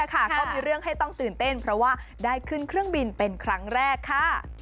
ก็มีเรื่องให้ต้องตื่นเต้นเพราะว่าได้ขึ้นเครื่องบินเป็นครั้งแรกค่ะ